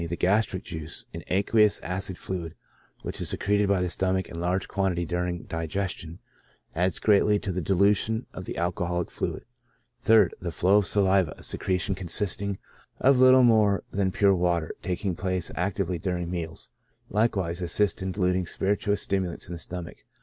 The gastric juice, an aqueous acid fluid, which is secreted by the stomach in large quantity during digestion, adds greatly to the dilution of the alcohoUc fluid. 3rd. The flow of saliva, a secretion consisting of little more ALCOHOL IN HEALTH. q than pure water, taking place actively during meals, like wise assists in diluting spirituous stimulants in the stomach.